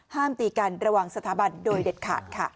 ห้ามตีกันระหว่างศรษฐบันโดยเด็ดขาดค่ะ